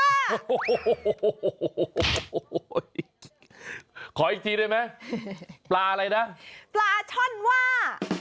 โอ้โหขออีกทีได้ไหมปลาอะไรนะปลาช่อนว่า